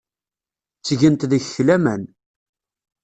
Ttgent deg-k laman.